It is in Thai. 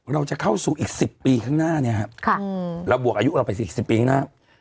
เราจะเข้าสู่อีก๑๐ปีข้างหน้าเนี่ยครับเราบวกอายุเราไป๔๐ปีข้างหน้า